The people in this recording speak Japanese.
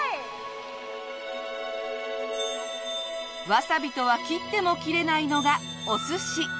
わさびとは切っても切れないのがお寿司。